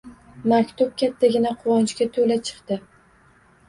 Maktub kattagina, quvonchga toʻla chiqdi